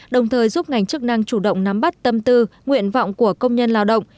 đồng thời giúp ngành chức năng chủ động nắm bắt tâm tư nguyện vọng của công nhân lao động